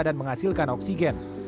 dan menghasilkan oksigen